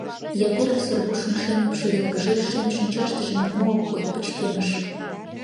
Яперов Сергушын шем ӱпшӧ йылгыжеш, шем шинчаштыже нимо ок кой, пычкемыш.